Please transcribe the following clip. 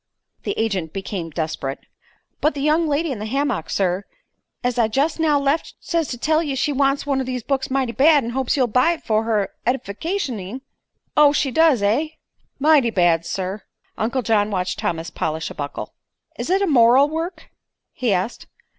The agent became desperate. "But the young lady in the hammick, sir, as I jest now left, says to tell ye she wants one o' these books mighty bad, an' hopes you'll buy it for her eddificationing." "Oh; she does, eh?" "Mighty bad, sir." Uncle John watched Thomas polish a buckle. "Is it a moral work?" he asked.